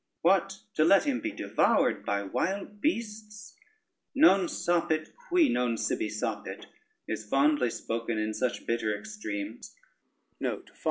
What, to let him be devoured by wild beasts! Non sapit qui non sibi sapit is fondly spoken in such bitter extremes.